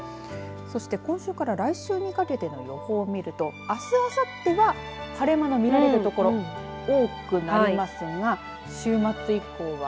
そして今週から来週にかけての予報を見るとあす、あさっては晴れ間の見られる所多くなりますが週末以降は。